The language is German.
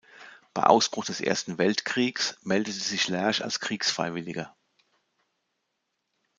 Bei Ausbruch des Ersten Weltkriegs meldete sich Lersch als Kriegsfreiwilliger.